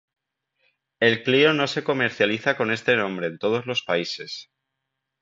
El Clio no se comercializa con este nombre en todos los países.